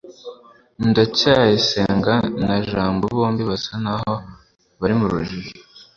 ndacyayisenga na jabo bombi basa naho bari mu rujijo